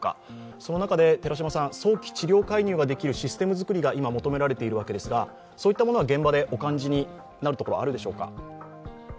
その中で早期治療介入ができるシステム作りが今求められているわけですがそういったものは現場でお感じになるところはあるでしょうか？